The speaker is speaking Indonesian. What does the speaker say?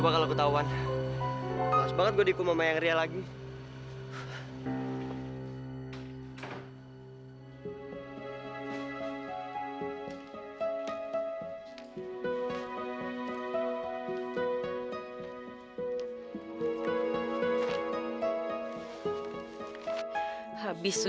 bener bu saya lihat sendiri dia masuk ke rumah ibu